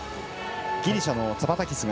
ギリシャのツァパタキス。